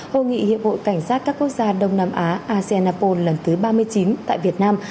hội nghị hiệp hội cảnh sát các quốc gia đông nam á asean apol lần thứ ba mươi chín tại việt nam